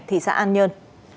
thị xã an nhơn